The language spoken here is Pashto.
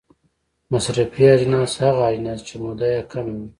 مصرفي اجناس هغه اجناس دي چې موده یې کمه وي.